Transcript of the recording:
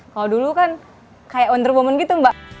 kalau dulu kan kayak under moment gitu mbak